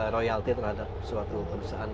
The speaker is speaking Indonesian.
royalti terhadap suatu perusahaan